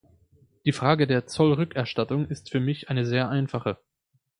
Die Frage der Zollrückerstattung ist für mich eine sehr einfache.